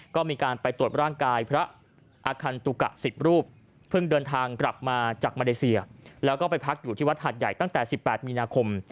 ก็มีการไปตรวจร่างกายพระอาคันตุกะ๑๐รูปเพิ่งเดินทางกลับมาจากมาเลเซียแล้วก็ไปพักอยู่ที่วัดหาดใหญ่ตั้งแต่๑๘มีนาคม